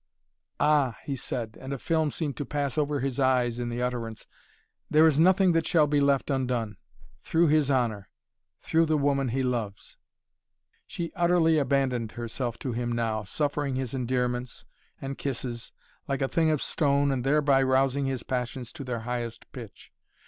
"Ah!" he said, and a film seemed to pass over his eyes in the utterance. "There is nothing that shall be left undone through his honor through the woman he loves." She utterly abandoned herself to him now, suffering his endearments and kisses like a thing of stone and thereby rousing his passions to their highest pitch.